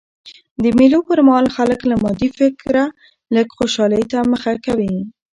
د مېلو پر مهال خلک له مادي فکره لږ خوشحالۍ ته مخه کوي.